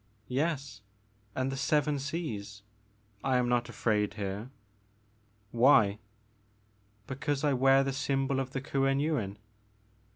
"Yes, and the seven seas. I am not afraid here." "Why?" Because I wear the symbol ot the Kuen Yuin."